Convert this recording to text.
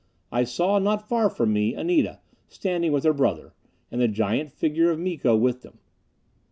I saw, not far from me, Anita, standing with her brother; and the giant figure of Miko with them.